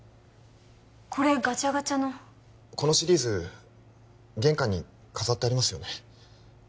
これガチャガチャのこのシリーズ玄関に飾ってありますよね